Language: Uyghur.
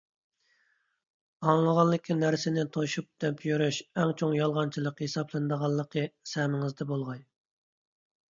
ئاڭلىغانلىكى نەرسىنى توشۇپ دەپ يۈرۈش ئەڭ چوڭ يالغانچىلىق ھېسابلىنىدىغانلىقى سەمىڭىزدە بولغاي!